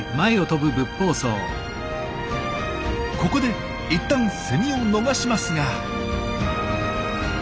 ここでいったんセミを逃しますが。